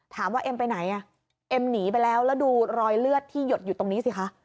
เอ็มไปไหนอ่ะเอ็มหนีไปแล้วแล้วดูรอยเลือดที่หยดอยู่ตรงนี้สิคะ